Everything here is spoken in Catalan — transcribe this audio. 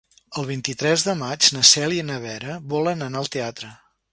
El vint-i-tres de maig na Cèlia i na Vera volen anar al teatre.